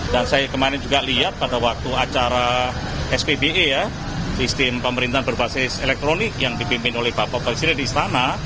dan saya kemarin juga lihat pada waktu acara spbe ya sistem pemerintahan berbasis elektronik yang dipimpin oleh bapak presiden di sana